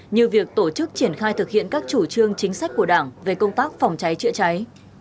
như việc tổ chức triển khai thực hiện các chủ trương chính sách của đảng về công tác phòng cháy chữa cháy